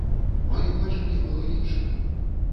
Маё бачанне было іншым.